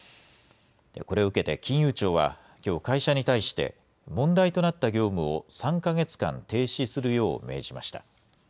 これを受けて金融庁は、きょう、会社に対して、問題となった業務を３か月間停止するよう命じました。